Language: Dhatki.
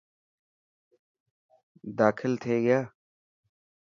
داخل ٿي گيا.